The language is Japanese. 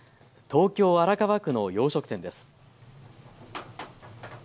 東京荒川区の洋食店です。